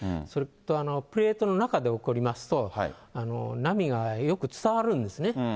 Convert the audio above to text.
それとプレートの中で起こりますと、波がよく伝わるんですね。